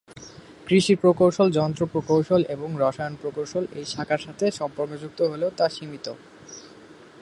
কৃষি প্রকৌশল, যন্ত্র প্রকৌশল, এবং রসায়ন প্রকৌশল এই শাখার সাথে সম্পর্কযুক্ত হলেও তা সীমিত।